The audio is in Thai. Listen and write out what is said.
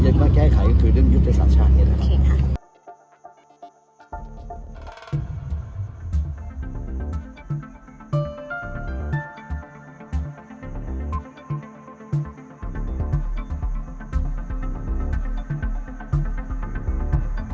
เยอะมากแก้ไขก็คือเรื่องยุทธศาสตร์ฉากนี้นะครับใช่ครับ